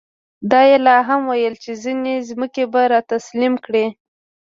دا یې لا هم ویل چې ځینې ځمکې به را تسلیم کړي.